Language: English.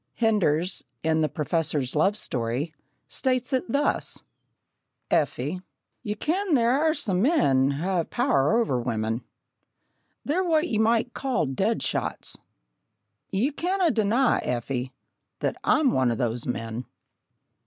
Henders, in The Professor's Love Story, states it thus: "Effie, ye ken there are some men ha' a power o'er women.... They're what ye might call 'dead shots.' Ye canna deny, Effie, that I'm one o' those men!"